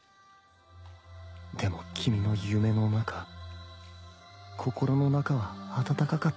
でも君の夢の中心の中はあたたかかった